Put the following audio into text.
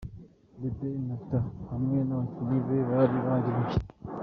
The Ben na guitar hamwe n'ababyinnyi be bari barimbye.